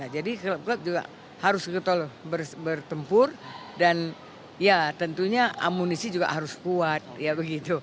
jadi klub klub juga harus bertempur dan tentunya amunisi juga harus kuat